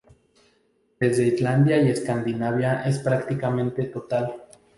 Desde Islandia y Escandinavia es prácticamente total.